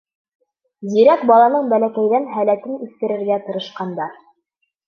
Зирәк баланың бәләкәйҙән һәләтен үҫтерергә тырышҡандар.